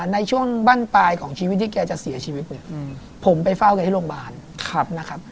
ในช่วงบ้านปลายของชีวิตที่แกจะเสียชีวิตเนี่ยผมไปเฝ้าแกที่โรงพยาบาลนะครับ